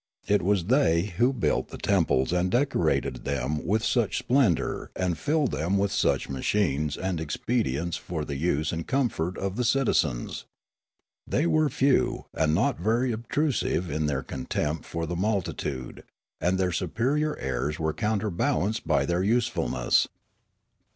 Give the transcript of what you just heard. It was they who built the temples and decorated them with such splendour The Voyage to Tirralaria 133 and filled them with such machines and expedients for the use and comfort of the citizens. They were few, and not ver}^ obtrusive in their contempt for the mul titude, and their superior airs were counterbalanced by their usefulness.